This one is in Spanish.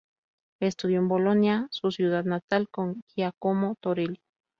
Estudió en Bolonia, su ciudad natal, con Giacomo Torelli.